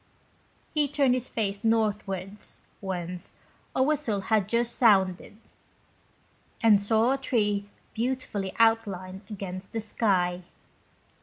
He turned his face northwards, whence a whistle had just sounded, and saw a tree beautifully outlined against the sky.